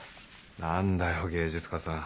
何だよ芸術家さん。